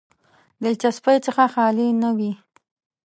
دلچسپۍ څخه خالي نه وي.